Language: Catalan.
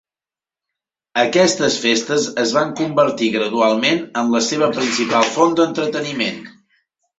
Aquestes festes es van convertir gradualment en la seva principal font d'entreteniment.